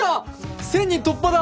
１０００人突破だ！